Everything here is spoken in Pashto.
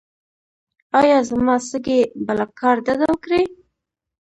ایا زما سږي به له کار ډډه وکړي؟